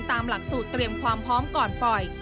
ตามหลักสูตรเตรียมความพร้อมก่อนปล่อย